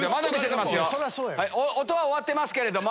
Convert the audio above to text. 音は終わってますけれども。